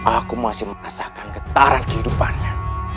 aku masih merasakan getaran kehidupannya